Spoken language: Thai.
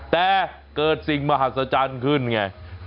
แต่เกิดสิ่งมหัศจรรย์ขึ้นไง